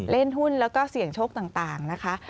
เล่นหุ้นแล้วก็เสี่ยงโชคต่างนะคะ